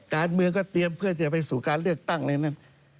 การเมืองก็เตรียมเพื่อจะไปสู่การเลือกตั้งอะไรนั้น